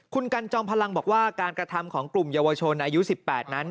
คุณกันจอมพลังบอกว่าการกระทำของกลุ่มเยาวชนอายุ๑๘นั้น